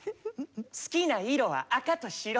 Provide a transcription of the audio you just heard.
好きな色は赤と白。